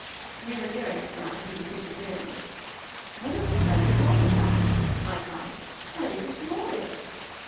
We were near enough now to see the city clearly. "What a splendid water front!" I cried. "Why, this is glorious."